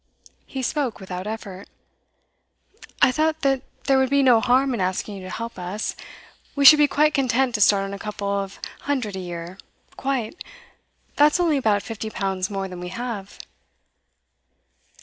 He spoke without effort. 'I thought that there would be no harm in asking you to help us. We should be quite content to start on a couple of hundred a year quite. That is only about fifty pounds more than we have.